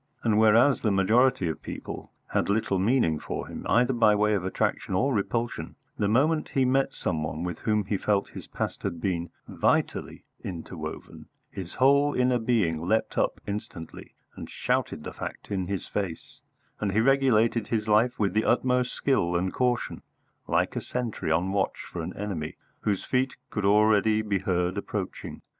And whereas the majority of people had little meaning for him, either by way of attraction or repulsion, the moment he met some one with whom he felt his past had been vitally interwoven his whole inner being leapt up instantly and shouted the fact in his face, and he regulated his life with the utmost skill and caution, like a sentry on watch for an enemy whose feet could already be heard approaching.